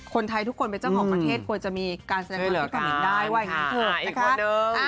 คนไทยทุกคนเป็นเจ้าของประเทศควรจะมีการแสดงการให้กันเห็นได้ว่าอย่างนี้คือ